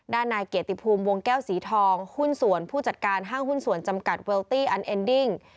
นายเกียรติภูมิวงแก้วสีทองหุ้นส่วนผู้จัดการห้างหุ้นส่วนจำกัดเวลตี้อันเอ็นดิ้ง